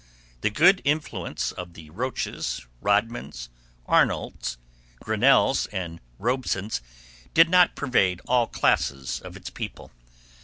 The good influence of the Roaches, Rodmans, Arnolds, Grinnells, and Robesons did not pervade all classes of its people.